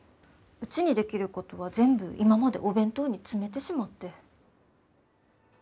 うちにできることは全部今までお弁当に詰めてしまって。